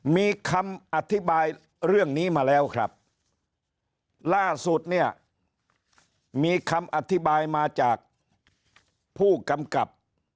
มีคำอธิบายเรื่องนี้มาแล้วครับล่าสุดเนี่ยมีคำอธิบายมาจากผู้กำกับ